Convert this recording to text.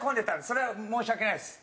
それは申し訳ないです。